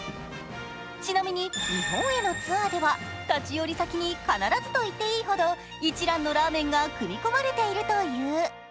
ちなみに日本へのツアーでは、立ち寄り先に必ずといっていいほど一蘭のラーメンが組み込まれているという。